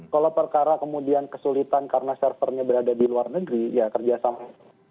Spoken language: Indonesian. kalau perkara kemudian kesulitan karena server nya berada di luar negeri ya kerja sama